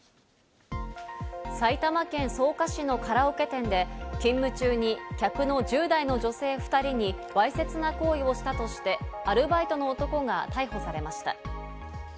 埼玉県草加市のカラオケ店で勤務中に客の１０代の女性２人にわいせつな行為をしたとしてアルバイトの男が逮捕されました。